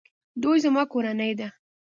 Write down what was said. دوی زما کورنۍ ده